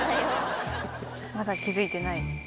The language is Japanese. まだ気付いてない。